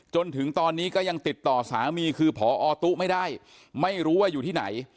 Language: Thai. จนถึงตอนนี้ก็ยังติดต่อสามีคือพอตุ๊ไม่ได้ไม่รู้ว่าอยู่ที่ไหน